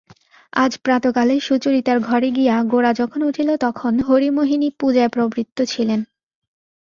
আজ প্রাতঃকালে সুচরিতার ঘরে গিয়া গোরা যখন উঠিল তখন হরিমোহিনী পূজায় প্রবৃত্ত ছিলেন।